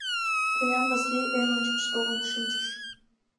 Поян Васлий эн ончыч толын шинчын.